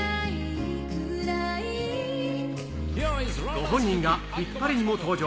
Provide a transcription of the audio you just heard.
ご本人がヒッパレにも登場。